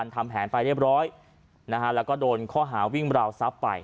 ทำแผนไปเรียบร้อยแล้วนะฮะแล้วก็โดนข้อหาวิ่งราวทรัพย์ไป